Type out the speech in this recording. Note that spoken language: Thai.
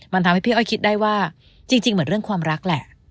มันทำให้พี่อ้อยคิดได้ว่าจริงเหมือนเรื่องความรักแหละ